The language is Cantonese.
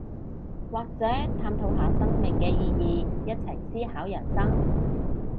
或者探討下生命嘅意義，一齊思考人生